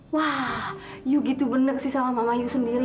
wah kamu begitu benar sama mama kamu sendiri